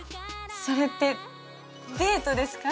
それってデートですか？